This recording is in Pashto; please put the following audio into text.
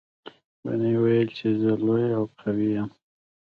ونې ویل چې زه لویه او قوي یم.